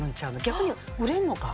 逆に売れんのか？